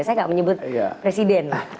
saya tidak menyebut presiden